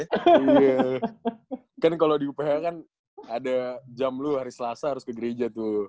kan kalau di uph kan ada jam lu hari selasa harus ke gereja tuh